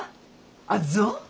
あっぞ。